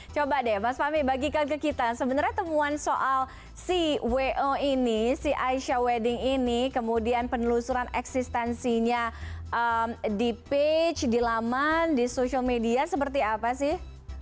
coba deh mas fahmi bagikan ke kita sebenarnya temuan soal si wo ini si aisyah wedding ini kemudian penelusuran eksistensinya di page di laman di social media seperti apa sih